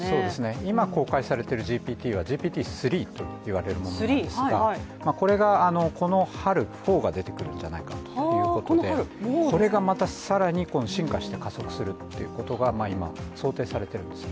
今、公開されているＧＰＴはＧＰＴ３と言われるものなんですがこれがこの春、４が出てくるんじゃないかということでこれがまた更に進化して加速するっていうことが、今想定されているんですね。